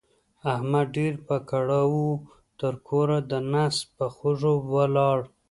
احمد ډېر په کړاو وو؛ تر کوره د نس په خوږو ولاړ.